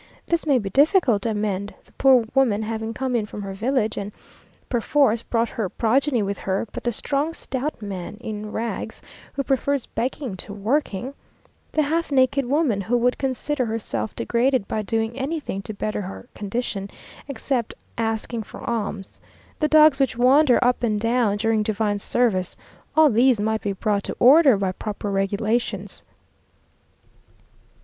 This may be difficult to amend, the poor woman having come in from her village, and perforce brought her progeny with her; but the strong, stout man in rags, who prefers begging to working the half naked woman who would consider herself degraded by doing anything to better her condition, except asking for alms the dogs which wander up and down during divine service, all these might be brought to order by proper regulations.